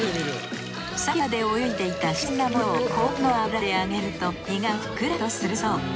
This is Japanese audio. さっきまで泳いでいた新鮮なものを高温の油で揚げると身がふっくらとするそう。